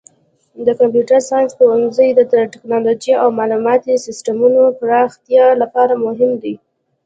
د کمپیوټر ساینس پوهنځی د تکنالوژۍ او معلوماتي سیسټمونو پراختیا لپاره مهم دی.